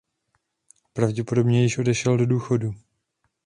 Pravděpodobně již odešel do důchodu.